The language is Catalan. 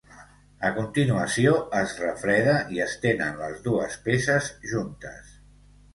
A continuació es refreda i es tenen les dues peces juntes.